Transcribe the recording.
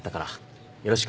よろしくね。